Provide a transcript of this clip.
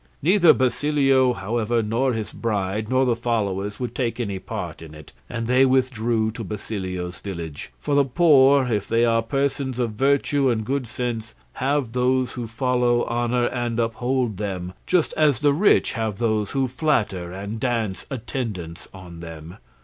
Neither Basilio, however, nor his bride, nor their followers would take any part in it, and they withdrew to Basilio's village; for the poor, if they are persons of virtue and good sense, have those who follow, honour, and uphold them, just as the rich have those who flatter and dance attendance on them.